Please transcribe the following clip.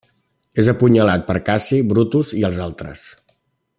És apunyalat per Cassi, Brutus i els altres.